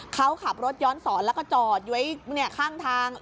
เขาขับรถย้อนสอนแล้วก็จอดไว้ข้างทาง